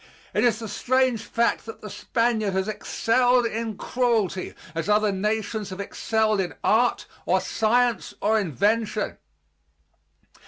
It is a strange fact that the Spaniard has excelled in cruelty as other nations have excelled in art or science or invention.